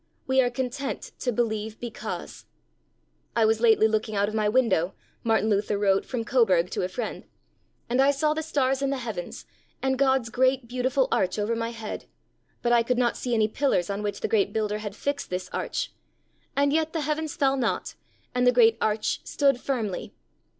We are content to believe because. 'I was lately looking out of my window,' Martin Luther wrote from Coburg to a friend, 'and I saw the stars in the heavens, and God's great beautiful arch over my head, but I could not see any pillars on which the great Builder had fixed this arch; and yet the heavens fell not, and the great arch stood firmly.